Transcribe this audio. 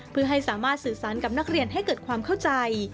เพื่อให้สามารถสื่อสารกับนักเรียนให้เกิดความเข้าใจ